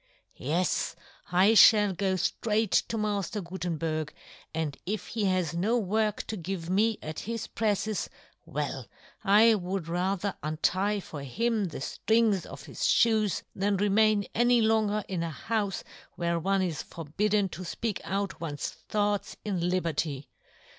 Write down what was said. Yes, I fhall go ftraight " to Mafter Gutenberg, and if he has " no work to give me at his prefles, " well, I would rather untie for him " the firings of his fhoes, than re " main any longer in a houfe where " one is forbidden to fpeak out one's " thoughts in liberty.